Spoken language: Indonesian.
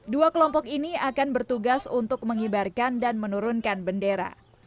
dua kelompok ini akan bertugas untuk mengibarkan dan menurunkan bendera